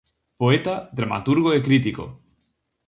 Poeta, dramaturgo e crítico.